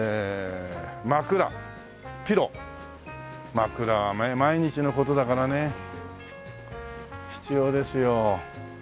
枕はね毎日の事だからね必要ですよ。